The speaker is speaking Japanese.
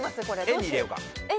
円に入れようか。